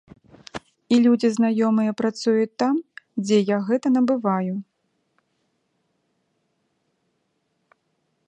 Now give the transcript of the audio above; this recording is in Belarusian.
І людзі знаёмыя працуюць там, дзе я гэта набываю.